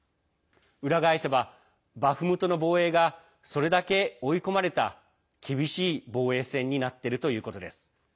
裏返せば、バフムトの防衛がそれだけ追い込まれた厳しい防衛戦になっているということです。